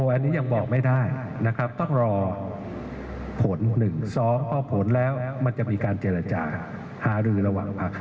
วันนี้ยังบอกไม่ได้นะครับต้องรอผล๑๒พอผลแล้วมันจะมีการเจรจาหารือระหว่างพัก